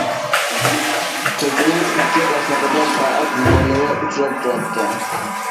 كوچىنىڭ ئىككى قاسنىقىدا سائەت مۇنارلىرى ئۇچراپ تۇراتتى.